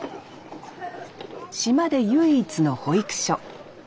島で唯一の保育所。